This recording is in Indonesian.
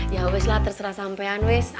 ya wesh lah terserah sampean wesh